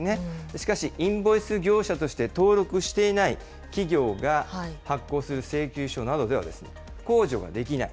しかしインボイス業者として登録していない企業が発行する請求書などでは控除ができない。